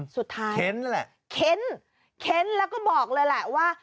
สุดท้ายเค้นแล้วแหละเค้นเค้นแล้วก็บอกเลยแหละว่า